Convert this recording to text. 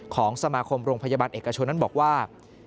ของสมาคมโรงพยาบาลเอกชนนั้นบอกว่า